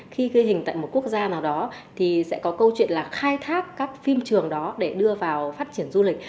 khi ghi hình tại một quốc gia nào đó thì sẽ có câu chuyện là khai thác các phim trường đó để đưa vào phát triển du lịch